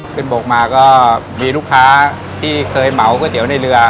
บกมาก็มีลูกค้าที่เคยเหมาก๋วเตี๋ยวในเรือ